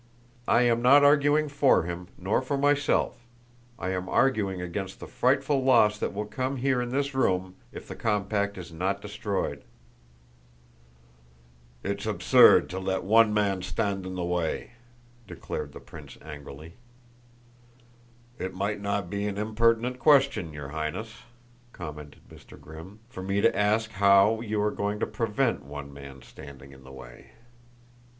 I am not arguing for him, nor for myself; I am arguing against the frightful loss that will come here in this room if the compact is not destroyed." [Illustration: "You think he will weaken; I know he will not."] "It's absurd to let one man stand in the way," declared the prince angrily. "It might not be an impertinent question, your Highness," commented Mr. Grimm, "for me to ask how you are going to prevent one man standing in the way?"